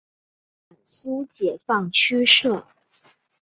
豫皖苏解放区设。